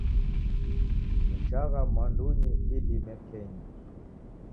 Nichagha mwandunyi idime kenyi